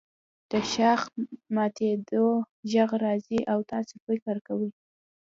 د ښاخ ماتیدو غږ راځي او تاسو فکر کوئ